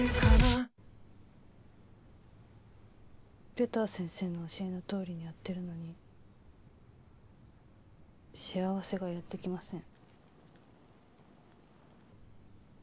レター先生の教えのとおりにやってるのに幸せがやってきません。